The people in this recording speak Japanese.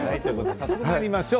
早速まいりましょう。